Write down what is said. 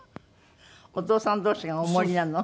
お父さん同士がお守りなの？